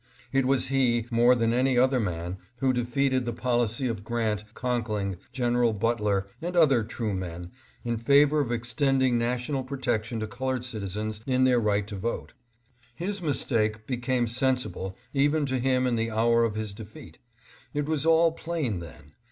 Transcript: It was he, more than any other man, who defeated the policy of Grant, Conkling, Gen. Butler, and other true men, in favor of extending national protection to colored citizens in their right to vote. His mistake became sensible even to him in the hour of his defeat. It was all plain then.